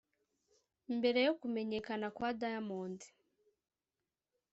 mbere yo kumenyakana kwa Diamond